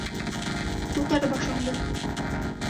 Күтәр башыңды.